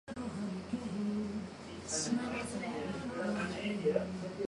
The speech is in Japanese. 長野県木祖村